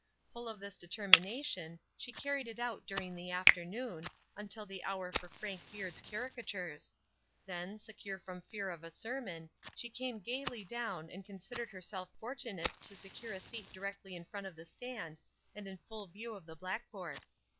Full of this determination she carried it out during the afternoon, until the hour for Frank Beard's caricatures; then, secure from fear of a sermon, she came gayly down and considered herself fortunate to secure a seat directly in front of the stand and in full view of the blackboard.